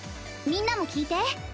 みんなも聞いて。